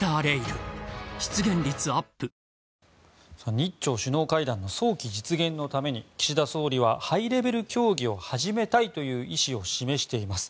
日朝首脳会談の早期実現のために岸田総理はハイレベル協議を始めたいという意思を示しています。